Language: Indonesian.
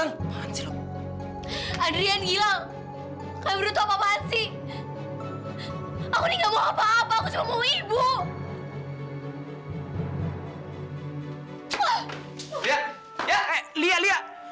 lain ini ini udah muncul